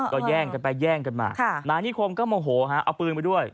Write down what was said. ก็แย่งกันไปแย่งกันมานายนิคมก็โมโหฮะเอาปืนไปด้วย